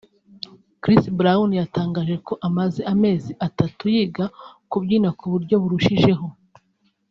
Chris Brown yatangaje ko amaze amezi atatu yiga kubyina ku buryo burushijeho